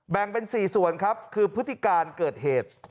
แบ่งเป็น๔ส่วนครับคือพฤติการเกิดเหตุ